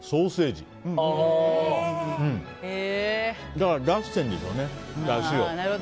だから、出してるんでしょうねだしを。